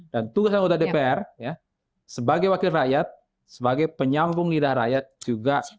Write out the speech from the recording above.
dan tugas anggota dpr sebagai wakil rakyat sebagai penyambung lidah rakyat juga